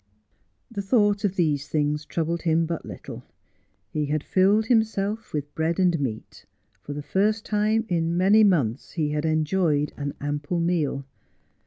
The thought of these things troubled him but little. He had filled himself with bread and meat. For the first time in many months he had enjoyed an ample meal.